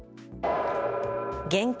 現金